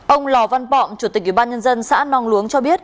ông lò văn bọ chủ tịch ủy ban nhân dân xã nong luống cho biết